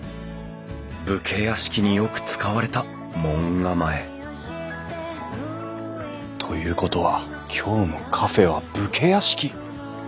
武家屋敷によく使われた門構えということは今日のカフェは武家屋敷！